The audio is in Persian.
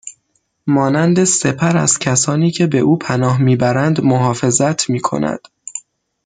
مانند سپر ازکسانی که به او پناه میبرند محافظت میکند